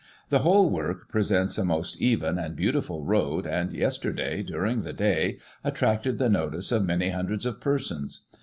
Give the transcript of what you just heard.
The whole work presents a most even and beautiful road, and, yesterday, during the day, attracted the notice of many hun dreds of persons.